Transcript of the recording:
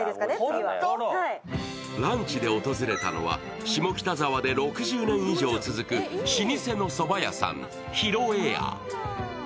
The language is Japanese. ランチで訪れたのは下北沢で６０年以上続く老舗のそば屋さん、広栄屋。